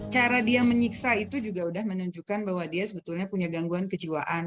cara dia menyiksa itu juga sudah menunjukkan bahwa dia sebetulnya punya gangguan kejiwaan